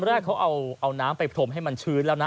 แรกเขาเอาน้ำไปพรมให้มันชื้นแล้วนะ